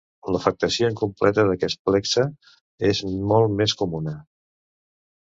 L'afectació incompleta d'aquest plexe és molt més comuna.